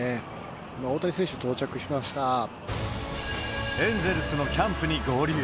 今、大谷選手、エンゼルスのキャンプに合流。